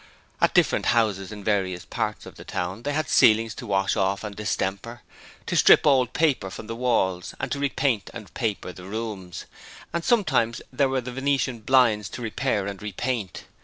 At different houses in various parts of the town they had ceilings to wash off and distemper, to strip the old paper from the walls, and to repaint and paper the rooms, and sometimes there were the venetian blinds to repair and repaint.